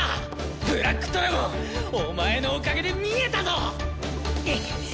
ブラックトラゴンお前のおかげで見えたぞ！